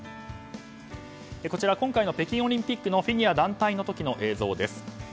こちらは今回の北京オリンピックのフィギュア団体の時の映像です。